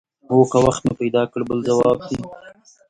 هو که وخت مې پیدا کړ بل ځواب دی.